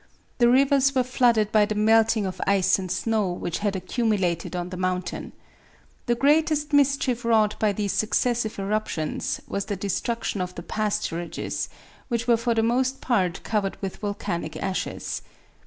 The rivers were flooded by the melting of ice and snow which had accumulated on the mountain. The greatest mischief wrought by these successive eruptions was the destruction of the pasturages, which were for the most part covered with volcanic ashes.